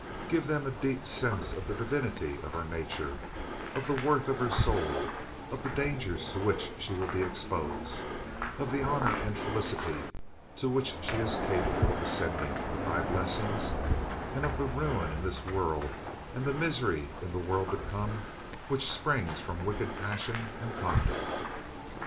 Give them a deep sense of the divinity of her nature, of the worth of her soul, of the dangers to which she will be exposed, of the honor and felicity to which she is capable of ascending with Thy blessing, and of the ruin in this world and the misery in the world to come which springs from wicked passion and conduct.